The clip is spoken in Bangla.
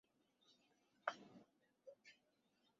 সঙ্গে উপহার দিলেন আরও একটি শাল।